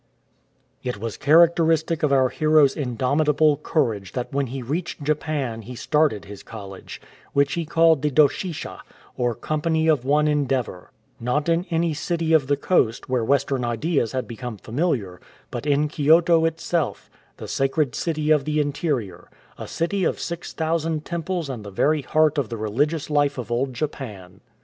It was characteristic of our hero's indomitable courage that when he reached Japan he started his college, which he called the "Doshisha,'"or "Company of One Endeavour*" — not in any city of the coast, where Western ideas had become familiar, but in Kyoto itself, the sacred city of the interior, a city of 6000 temples and the very heart of the religious life of Old Japan.